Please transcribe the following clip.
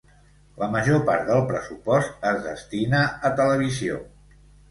La major part del pressupost es destina a televisió.